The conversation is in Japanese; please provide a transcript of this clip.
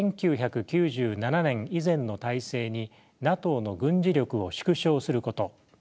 １９９７年以前の態勢にＮＡＴＯの軍事力を縮小すること